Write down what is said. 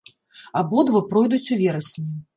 Абодва пройдуць у верасні.